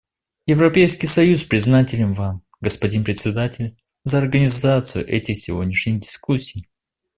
Европейский союз признателен Вам, господин Председатель, за организацию этих сегодняшних дискуссий.